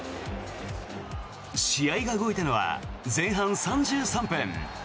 試合が動いたのは前半３３分。